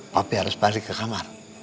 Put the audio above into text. tapi harus balik ke kamar